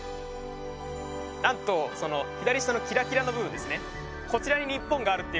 なんと左下のキラキラの部分ですねえっ！